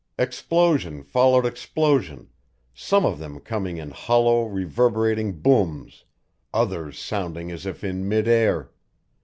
Explosion followed explosion, some of them coming in hollow, reverberating booms, others sounding as if in mid air.